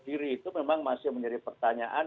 diri itu memang masih menjadi pertanyaan